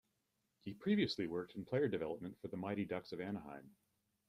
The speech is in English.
He previously worked in Player Development for the Mighty Ducks of Anaheim.